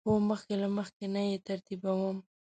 هو، مخکې له مخکی نه یی ترتیبوم